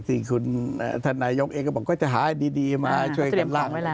ที่คุณธนายองเองก็บอกว่าก็จะหาให้ดีดีมาช่วยกันล่างไว้แล้ว